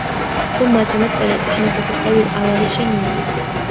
ثُمَّ تَمَثَّلَ الْأَحْنَفُ بِقَوْلِ الْأَعْوَرِ الشَّنِّيُّ